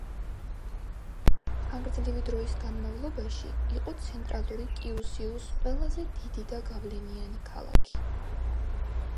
ხანგრძლივი დროის განმავლობაში იყო ცენტრალური კიუსიუს ყველაზე დიდი და გავლენიანი ქალაქი.